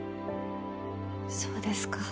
そうですか。